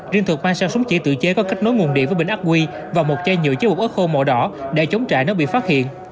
riêng thuộc mang sang súng chỉ tự chế có kết nối nguồn điện với bình ác quy và một chai nhựa chứa bột ớt khô màu đỏ để chống trả nếu bị phát hiện